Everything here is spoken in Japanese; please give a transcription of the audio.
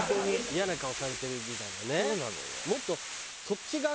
イヤな顔されてるみたいなね。